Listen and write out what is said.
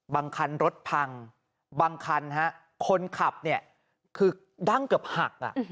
บางคันรถพังบางคันคนขับเนี่ยคือดั้งเกือบหัก